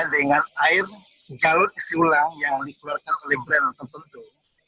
dengan air galon isi ulang yang dikeluarkan oleh brand tertentu